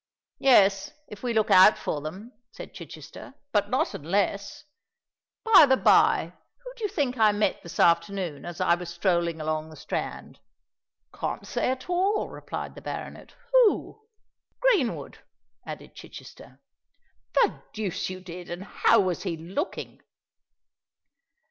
"Yes—if we look out for them," said Chichester; "but not unless. By the bye, who do you think I met this afternoon, as I was strolling along the Strand?" "Can't say at all," replied the baronet. "Who?" "Greenwood," added Chichester. "The deuce you did! And how was he looking?"